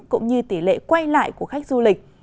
cũng như tỷ lệ quay lại của khách du lịch